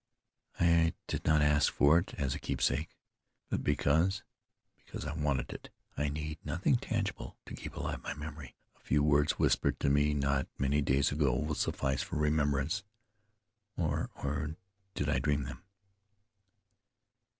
"I did not ask for it as a keepsake, but because because I wanted it. I need nothing tangible to keep alive my memory. A few words whispered to me not many days ago will suffice for remembrance or or did I dream them?"